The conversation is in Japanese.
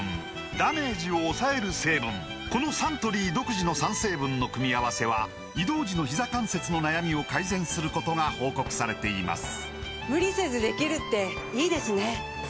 このサントリー独自の３成分の組み合わせは移動時のひざ関節の悩みを改善することが報告されています